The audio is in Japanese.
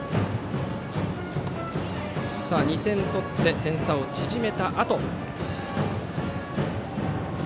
２点取って点差を縮めたあと。